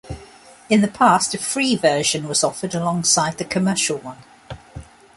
In the past a free version was offered alongside the commercial one.